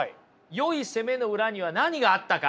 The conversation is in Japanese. よい攻めの裏には何があったか。